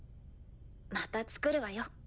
また作るわよ。